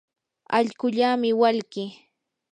allquullami walkii.